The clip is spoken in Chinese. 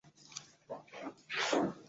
杨氏有弟弟杨圣敦及一子两女及一侄。